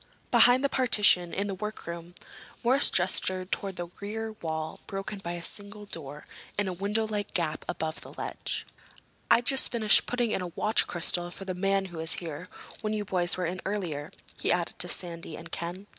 "Behind the partition—in the workroom." Morris gestured toward the rear wall broken by a single door and a windowlike gap above a ledge. "I'd just finished putting in a watch crystal for the man who was here when you boys were in earlier," he added to Sandy and Ken.